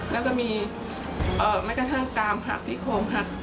และก็เขามีแม่กระทั่งตามหลากศิคโมค่ะ